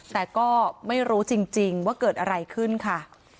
แต่ก็ไม่รู้จริงว่าเกิดอะไรขึ้นค่ะ